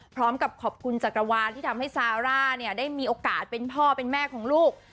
พร้อมกับขอบคุณจักรวาลที่ทำให้ซาร่าเนี่ยได้มีโอกาสเป็นพ่อเป็นแม่ของลูก